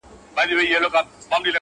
سیاه پوسي ده؛ ژوند تفسیرېږي؛